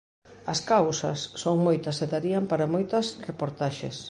As causas, son moitas e darían para moitas reportaxes.